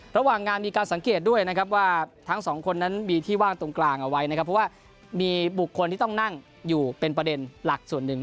ระหว่างงานมีการสังเกตด้วยนะครับว่าทั้งสองคนนั้นมีที่ว่างตรงกลางเอาไว้นะครับเพราะว่ามีบุคคลที่ต้องนั่งอยู่เป็นประเด็นหลักส่วนหนึ่ง